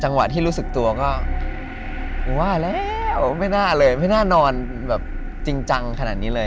ที่รู้สึกตัวก็ว่าแล้วไม่น่าเลยไม่น่านอนแบบจริงจังขนาดนี้เลย